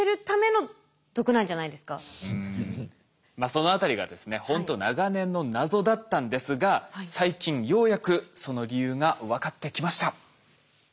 そのあたりがですねほんと長年の謎だったんですが最近ようやくその理由が分かってきました。